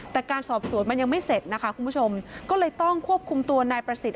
แต่การสอบสวนมันยังไม่เสร็จนะคะคุณผู้ชมก็เลยต้องควบคุมตัวนายประสิทธิ